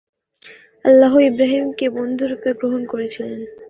আল্লাহ ইবরাহীমকে বন্ধুরূপে গ্রহণ করেছেন।